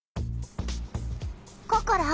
ココロ。